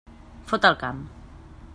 Fot el camp.